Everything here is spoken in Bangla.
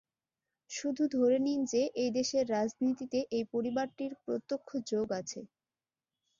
শুধু ধরে নিন যে, এই দেশের রাজনীতিতে এই পরিবারটির প্রত্যক্ষ যোগ আছে।